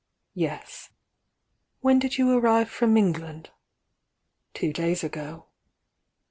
"Yes." "When did you arrive from England?" "Two days ago."